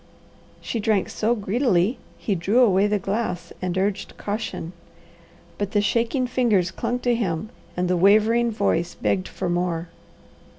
She drank so greedily he drew away the glass and urged caution, but the shaking fingers clung to him and the wavering voice begged for more.